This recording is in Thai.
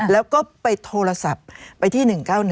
แล้วก็ไปโทรศัพท์ไปที่๑๙๑